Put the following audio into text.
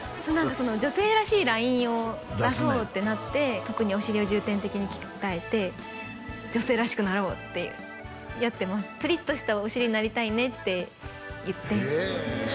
そう女性らしいラインを出そうってなって特にお尻を重点的に鍛えて女性らしくなろうってやってますプリッとしたお尻になりたいねってへえへえ